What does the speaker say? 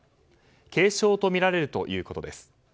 軽傷とみられるということです。